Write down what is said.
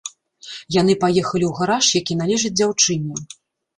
Яны паехалі ў гараж, які належыць дзяўчыне.